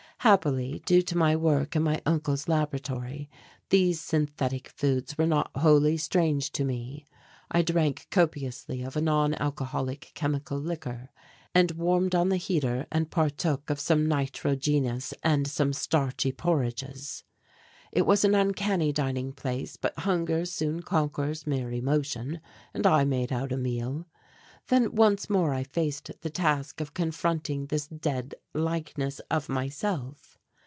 Happily, due to my work in my uncle's laboratory, these synthetic foods were not wholly strange to me. I drank copiously of a non alcoholic chemical liquor and warmed on the heater and partook of some nitrogenous and some starchy porridges. It was an uncanny dining place, but hunger soon conquers mere emotion, and I made out a meal. Then once more I faced the task of confronting this dead likeness of myself.